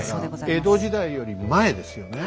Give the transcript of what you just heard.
江戸時代よりも前ですよね。